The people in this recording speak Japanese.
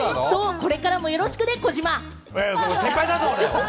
これからもよろしくね、児嶋！